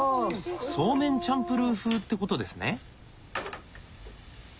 そうめんチャンプルー風って事ですね。